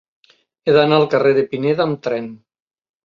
He d'anar al carrer de Pineda amb tren.